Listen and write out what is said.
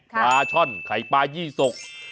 ปลาช่อนไข่ปลายี่สก